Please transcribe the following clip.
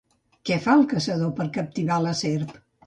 Què fa el caçador per captivar la serp?